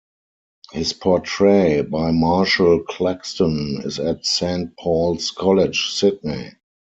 His portrait, by Marshall Claxton, is at Saint Paul's College, Sydney.